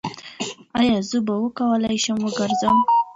ایا زه به وکولی شم وګرځم؟